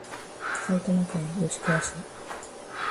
埼玉県吉川市